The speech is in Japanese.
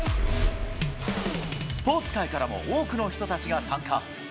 スポーツ界からも多くの人たちが参加。